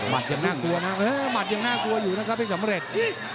ยังน่ากลัวนะหมัดยังน่ากลัวอยู่นะครับเพชรสำเร็จ